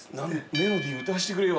◆メロディー、歌わせてくれよ。